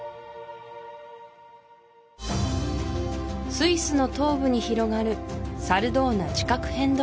スイスの東部に広がるサルドーナ地殻変動